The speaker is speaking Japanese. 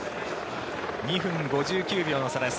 ２分５９秒の差です。